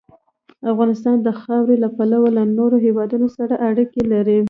افغانستان د خاوره له پلوه له نورو هېوادونو سره اړیکې لري.